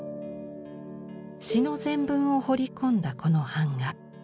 詩の全文を彫り込んだこの板画。